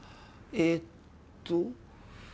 えっと。